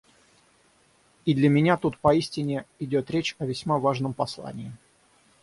И для меня тут поистине идет речь о весьма важном послании.